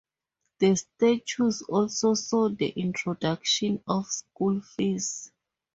The statues also saw the introduction of school fees.